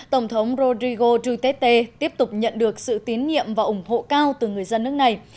tổng thống rodrigo duterte tiếp tục nhận được sự tín nhiệm và ủng hộ cao từ người dân nước này